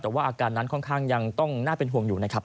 แต่ว่าอาการนั้นค่อนข้างยังต้องน่าเป็นห่วงอยู่นะครับ